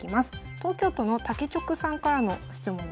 東京都のたけちょくさんからの質問です。